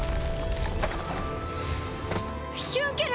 ヒュンケル！